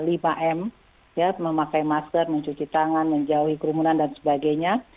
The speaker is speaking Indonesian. lima m memakai masker mencuci tangan menjauhi kerumunan dan sebagainya